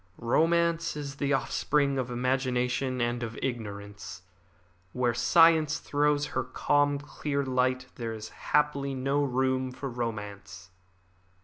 "Romance is the offspring of imagination and of ignorance. Where science throws her calm, clear light there is happily no room for romance."